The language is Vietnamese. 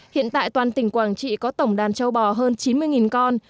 hiện tại toàn tỉnh quảng trị có tổng đàn châu bò hơn chín mươi con